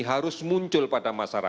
harus muncul pada masyarakat